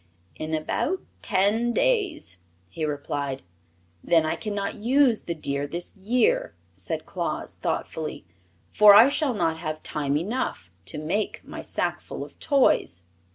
"In about ten days," he replied. "Then I can not use the deer this year," said Claus, thoughtfully, "for I shall not have time enough to make my sackful of toys."